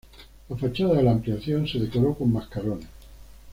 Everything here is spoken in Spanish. La fachada de la ampliación se decoró con mascarones.